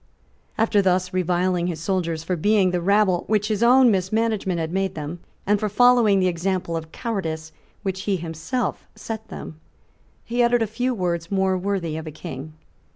After thus reviling his soldiers for being the rabble which his own mismanagement had made them, and for following the example of cowardice which he had himself set them, he uttered a few words more worthy of a King.